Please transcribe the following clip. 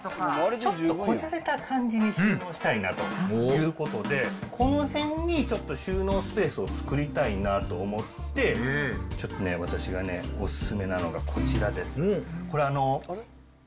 ちょっとこじゃれた感じに収納したいなということで、この辺にちょっと収納スペースを作りたいなと思って、ちょっとね、私がね、お勧めなのがこちらです。